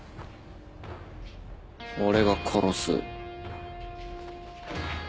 俺が殺す。